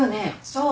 そう。